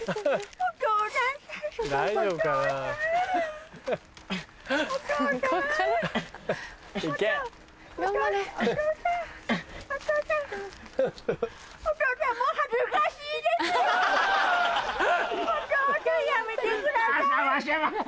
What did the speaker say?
お父さんやめてください。